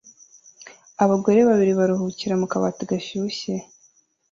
Abagore babiri baruhukira mu kabati gashyushye